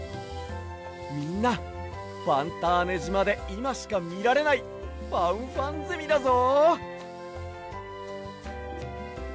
みんなファンターネじまでいましかみられないファンファンゼミだぞ！